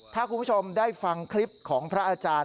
ถ้าคุณผู้ชมได้ฟังคลิปของพระอาจารย์